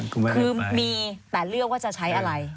คือมีแต่เลือกว่าจะใช้อะไร